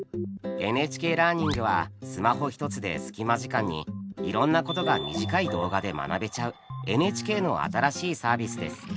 「ＮＨＫラーニング」はスマホ一つで隙間時間にいろんなことが短い動画で学べちゃうＮＨＫの新しいサービスです。